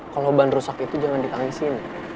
kalau ban rusak itu jangan ditangisin